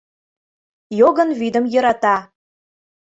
Йогын вӱдым йӧрата;